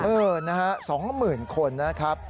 เออนะฮะสองหมื่นคนนะครับ